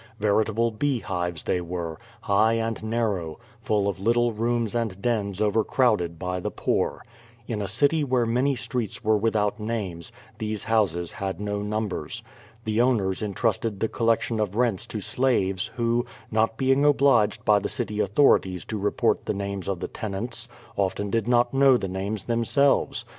Veritable beehives they were, high and narrow, full of little rooms and dens over crowded by the poor. In a city where many streets were without names, these houses had no numbers. The owners entrusted the collection of rents to slaves, who, not being obliged by the city authorities to report the names of the ten ants, often did not know the names themselves.